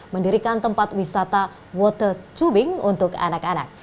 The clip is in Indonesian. mendirikan tempat wisata water tubing untuk anak anak